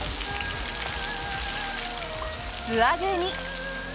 素揚げに。